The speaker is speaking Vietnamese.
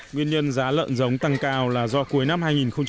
nguyên nhân giá lợn giống tăng cao là do cuối năm hai nghìn một mươi tám